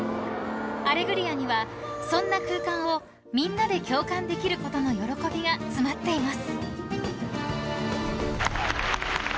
［『アレグリア』にはそんな空間をみんなで共感できることの喜びが詰まっています］